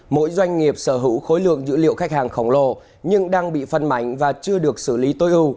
mỗi doanh nghiệp sở hữu khối lượng dữ liệu khách hàng khổng lồ nhưng đang bị phân mảnh và chưa được xử lý tối ưu